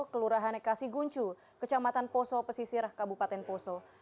kelurahan kasiguncu kecamatan poso pesisir kabupaten poso